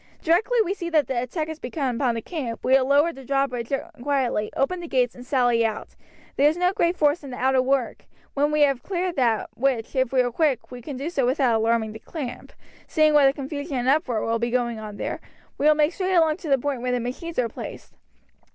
Directly we see that the attack has begun upon the camp we will lower the drawbridge quietly, open the gates, and sally out. There is no great force in the outer work. When we have cleared that which, if we are quick, we can do without alarming the camp, seeing what a confusion and uproar will be going on there we will make straight along to the point where the machines are placed.